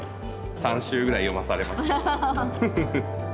３周ぐらい読まされますけど。